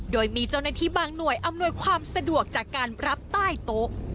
โดยมีเจ้าหน้าที่บางหน่วยอำนวยความสะดวกจากการรับใต้โต๊ะ